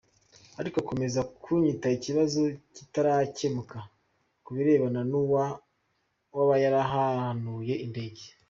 Ariko akomeza kuryita ikibazo “cyitaracyemuka” kubirebana nuwaba yarahanuye indege…’’